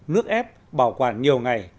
nước ép bảo quản nhiều ngày